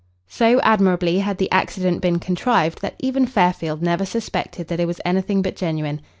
So admirably had the accident been contrived that even Fairfield never suspected that it was anything but genuine.